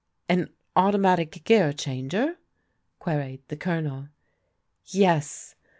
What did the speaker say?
" An Automatic Gear Changer? " queried the Colonel. " Yes."